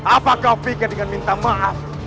apakah kau pikir dengan minta maaf